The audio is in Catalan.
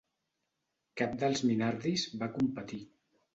Cap dels Minardis va competir.